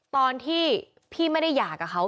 ตอนที่พี่ไม่ได้หย่ากับเขา